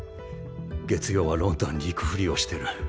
月曜はロンドンに行くふりをしてる。